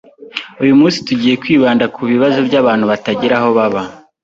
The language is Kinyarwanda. Uyu munsi tugiye kwibanda kubibazo byabantu batagira aho baba.